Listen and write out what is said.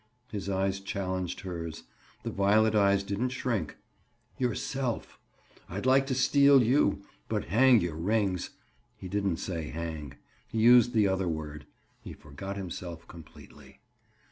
His eyes challenged hers; the violet eyes didn't shrink. "Yourself! I'd like to steal you, but hang your rings!" He didn't say "hang"; he used the other word. He forgot himself completely.